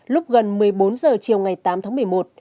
lúc gần một mươi bốn h chiều ngày tám tháng một mươi một